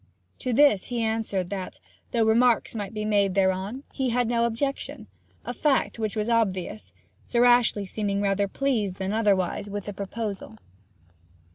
To this he answered that, though remarks might be made thereon, he had no objection; a fact which was obvious, Sir Ashley seeming rather pleased than otherwise with the proposal.